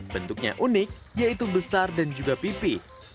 bentuknya unik yaitu besar dan juga pipi